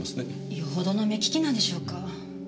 よほどの目利きなんでしょうか？